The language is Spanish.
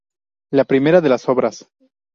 La primera de las Obras.